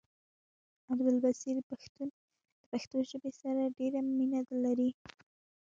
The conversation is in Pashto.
عبدالبصير پښتون د پښتو ژبې سره ډيره مينه لري